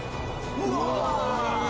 うわ。